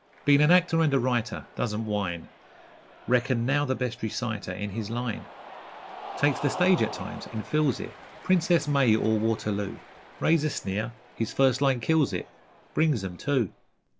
Been an actor and a writer Doesn't whine Reckoned now the best reciter In his line. Takes the stage at times, and fills it 'Princess May' or 'Waterloo'. Raise a sneer! his first line kills it, 'Brings 'em', too.